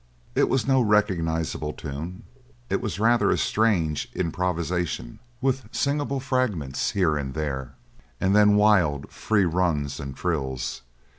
It was no recognisable tune. It was rather a strange improvisation, with singable fragments here and there, and then wild, free runs and trills.